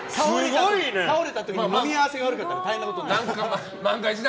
倒れた時に飲み合わせが悪かったら大変なことになるから。